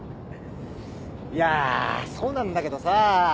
いやそうなんだけどさ。